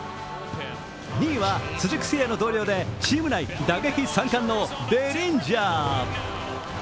２位は鈴木誠也の同僚でチーム内打撃３冠のデリンジャー。